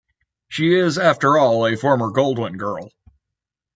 She is, after all, a former Goldwyn Girl.